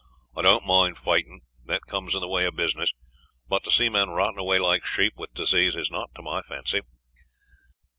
"I don't mind fighting, that comes in the way of business, but to see men rotting away like sheep with disease is not to my fancy."